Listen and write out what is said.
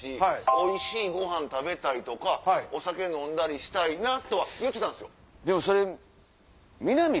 おいしいごはん食べたりとかお酒飲んだりしたいなとは言ってたんすよ。